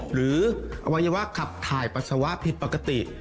อวัยวะขับถ่ายปัสสาวะผิดปกติ